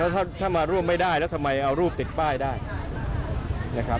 ถ้ามาร่วมไม่ได้แล้วทำไมเอารูปติดป้ายได้นะครับ